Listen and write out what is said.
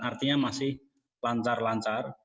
artinya masih lancar lancar